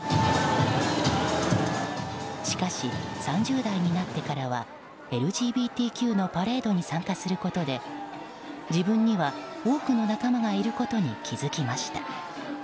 しかし、３０代になってからはＬＧＢＴＱのパレードに参加することで自分には多くの仲間がいることに気づきました。